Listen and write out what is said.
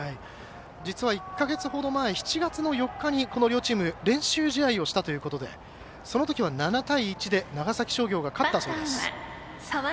実は１か月ほど前７月の４日にこの両チーム練習試合をしたということでそのときは７対１で長崎商業が勝ったそうです。